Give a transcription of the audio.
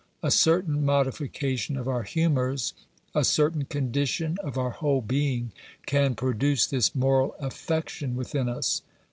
A certain modification of our humours, a certain condition of our whole being, can produce this moral affection within us.